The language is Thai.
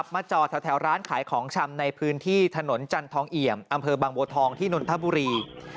มาจอดแถวร้านขายของชำในพื้นที่ถนนจันทองเอี่ยมอำเภอบางบัวทองที่นนทบุรี